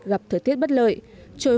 gặp thời tiết bất lợi